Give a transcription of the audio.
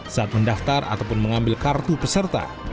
saat mendaftar ataupun mengambil kartu peserta